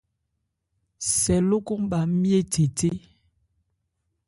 Sɛ lókɔn bha ńmye thethé.